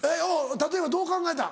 例えばどう考えたん？